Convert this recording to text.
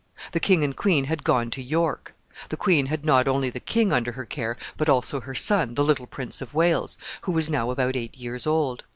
The king and queen had gone to York. The queen had not only the king under her care, but also her son, the little Prince of Wales, who was now about eight years old.